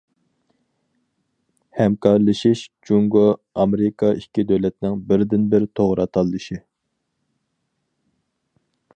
ھەمكارلىشىش جۇڭگو- ئامېرىكا ئىككى دۆلەتنىڭ بىردىنبىر توغرا تاللىشى.